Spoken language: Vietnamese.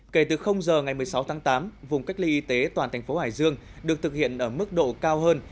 kể từ giờ ngày một mươi sáu tháng tám vùng cách ly y tế toàn thành phố hải dương được thực hiện ở mức độ cao hơn